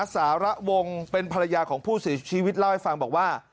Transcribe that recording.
สาระวงเป็นภรรยาของผู้เสียชีวิตเล่าให้ฟังบอกว่า